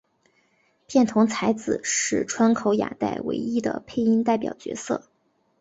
片桐彩子是川口雅代唯一的配音代表角色。